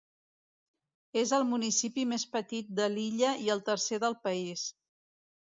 És el municipi més petit de l'illa i el tercer del país.